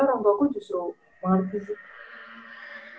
orangtua aku justru mengerti